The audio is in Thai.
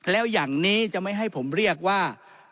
แล้วอย่างนี้จะไม่ให้ผมเรียกว่า